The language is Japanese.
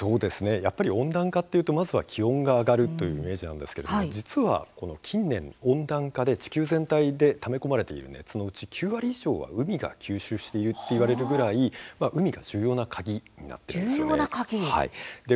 やっぱり温暖化というと気温が上がるというイメージなんですが、近年温暖化で地球全体にため込まれている熱のうち９割以上は海が吸収しているといわれるほど海が重要な鍵なんです。